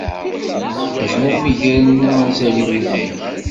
Azmumeg irennu azal i wudem-ik.